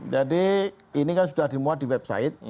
jadi ini kan sudah dimuat di website